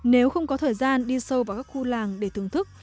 nếu không có thời gian đi sâu vào các khu làng để thưởng thức